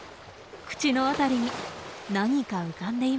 口のあたりに何か浮かんでいます。